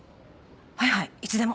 はいはいいつでも。